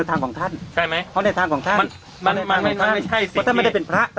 ต้องใช้สิทธิ์